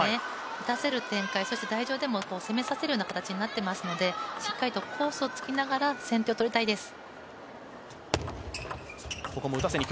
打たせる展開そして台上でも攻めさせるような展開になっていますのでしっかりとコースをつきながら先手を取りたいです。